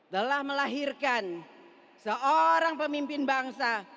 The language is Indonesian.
telah melahirkan seorang pemimpin bangsa